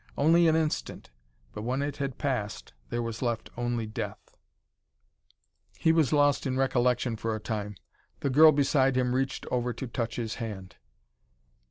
Only an instant; but when it had passed there was left only death...." He was lost in recollection for a time; the girl beside him reached over to touch his hand.